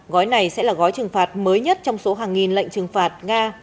gói này sẽ là gói trừng phạt mới nhất trong số hàng nghìn lệnh trừng phạt nga